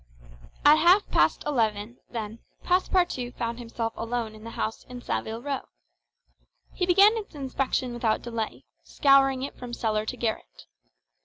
At half past eleven, then, Passepartout found himself alone in the house in Saville Row. He began its inspection without delay, scouring it from cellar to garret.